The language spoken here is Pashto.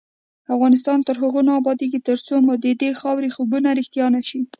افغانستان تر هغو نه ابادیږي، ترڅو مو ددې خاورې خوبونه رښتیا نشي.